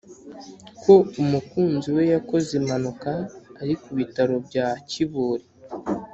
ko umukunzi we yakoze impanuka ari ku bitaro bya kibuli.